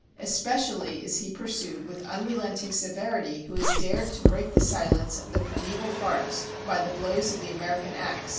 Especially is he pursued with unrelenting severity, who has dared to break the silence of the primeval forest by the blows of the American ax.